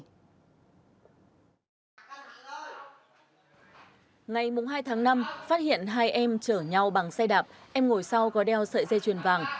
ngày hai tháng năm phát hiện hai em chở nhau bằng xe đạp em ngồi sau có đeo sợi dây chuyền vàng